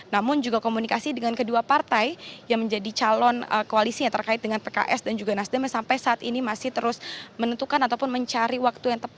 namun juga komunikasi dengan kedua partai yang menjadi calon koalisi yang terkait dengan pks dan juga nasdem yang sampai saat ini masih terus menentukan